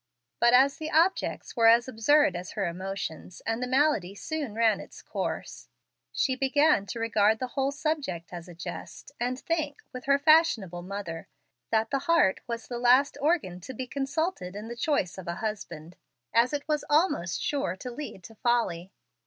But as the objects were as absurd as her emotions, and the malady soon ran, its course, she began to regard the whole subject as a jest, and think, with her fashionable mother, that the heart was the last organ to be consulted in the choice of a husband, as it was almost sure to lead to folly.